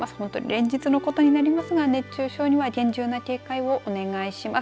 連日のことになりますが熱中症には厳重な警戒をお願いします。